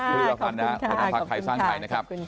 ขอบคุณค่ะขอบคุณค่ะ